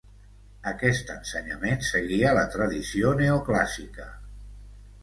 Aquest ensenyament seguia la tradició neoclàssica.